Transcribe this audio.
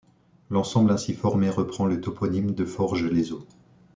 L'ensemble ainsi formé reprend le toponyme de Forges-les-Eaux.